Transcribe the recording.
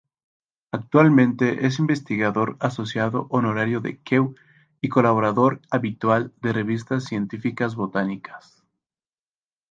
Actualmente es investigador asociado honorario de Kew; y colaborador habitual de revistas científicas botánicas.